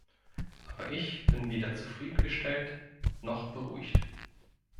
Aber ich bin weder zufriedengestellt noch beruhigt.